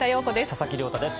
佐々木亮太です。